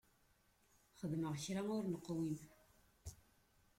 Xedmeɣ kra ur neqwim?